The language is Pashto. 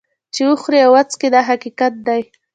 چې وخوري او وڅکي دا حقیقت دی.